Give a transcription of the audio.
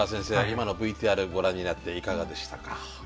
今のＶＴＲご覧になっていかがでしたか？